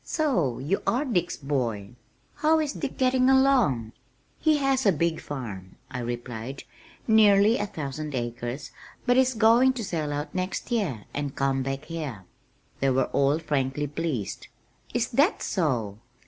"So you are Dick's boy? How is Dick getting along?" "He has a big farm," I replied, "nearly a thousand acres, but he's going to sell out next year and come back here." They were all frankly pleased. "Is that so!